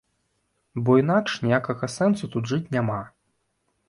Бо інакш ніякага сэнсу тут жыць няма.